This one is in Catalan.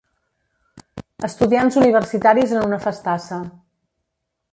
Estudiants universitaris en una festassa.